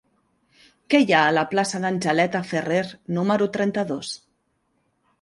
Què hi ha a la plaça d'Angeleta Ferrer número trenta-dos?